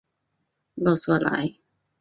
勒索莱。